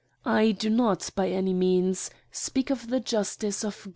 I do not, by any means, speak of the justice of